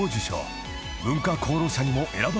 ［文化功労者にも選ばれている］